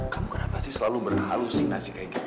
kamu kenapa sih selalu berhalusinasi kayak gini